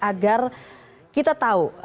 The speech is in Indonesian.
agar kita tahu